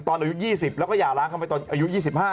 อายุ๒๐แล้วก็หย่าล้างเข้าไปตอนอายุ๒๕